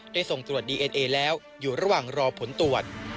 ส่งตรวจดีเอ็นเอแล้วอยู่ระหว่างรอผลตรวจ